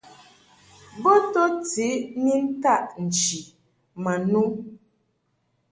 Bɨ to tiʼ ni ntaʼ nchi ma no.